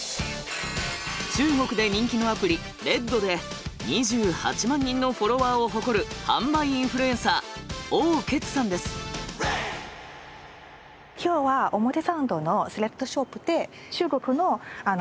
中国で人気のアプリＲＥＤで２８万人のフォロワーを誇る販売インフルエンサー３時間前？